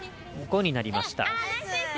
５になりました。